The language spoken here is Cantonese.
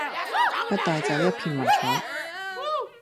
不帶走一片雲彩